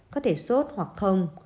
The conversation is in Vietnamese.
có thể sốt hoặc không